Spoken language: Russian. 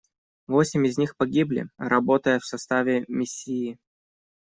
Восемь из них погибли, работая в составе Миссии.